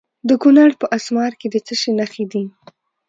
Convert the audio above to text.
د کونړ په اسمار کې د څه شي نښې دي؟